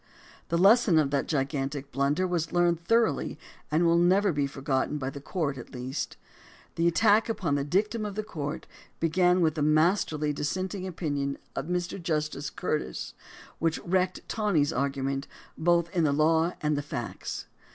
The lesson of that gigantic blunder was learned thoroughly and will never be for gotten by the court at least. The attack upon the dictum of the court began with the masterly dissenting opinion of Mr. Justice Curtis, which wrecked Taney's argument both in the law and the facts.